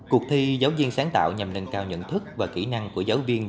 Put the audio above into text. cuộc thi giáo viên sáng tạo nhằm nâng cao nhận thức và kỹ năng của giáo viên